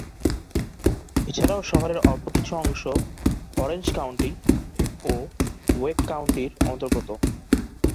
এছাড়াও শহরের অল্প কিছু অংশ অরেঞ্জ কাউন্টি ও ওয়েক কাউন্টির অন্তর্গত।